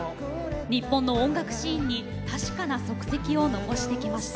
日本の音楽シーンに確かな足跡を残してきました。